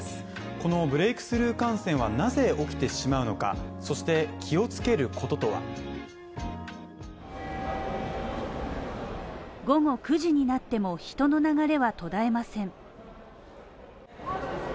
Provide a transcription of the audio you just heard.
このブレイクスルー感染はなぜ起きてしまうのか、そして、気をつけることは午後９時になっても人の流れは途絶えません。